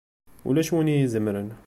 Ulac win i iyi-izemren!